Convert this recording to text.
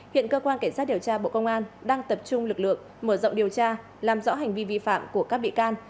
hiện cơ quan cảnh sát điều tra bộ công an đang tập trung lực lượng mở rộng điều tra làm rõ hành vi vi phạm của các bị can